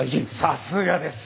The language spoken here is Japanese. さすがです！